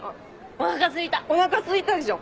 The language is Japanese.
おなかすいたでしょ？